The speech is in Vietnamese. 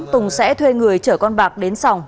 tùng sẽ thuê người chở con bạc đến sòng